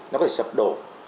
nó có thể sập đổ